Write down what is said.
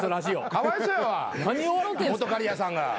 かわいそうやわ本仮屋さんが。